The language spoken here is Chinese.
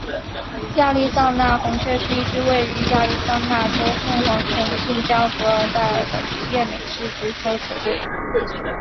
亚利桑那红雀是一支位于亚利桑那州凤凰城近郊格兰岱尔的职业美式足球球队。